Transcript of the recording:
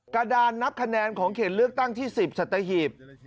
กระดานนับคะแนนของเขตเลือกตั้งที่๑๐สัตหีบ